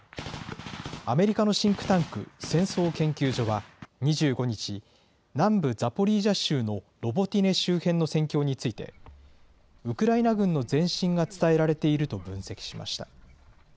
アメリカのシンクタンク、戦争研究所は２５日、南部ザポリージャ州のロボティネ周辺の戦況について、ウクライナ軍の前進が伝えられていると分析しました。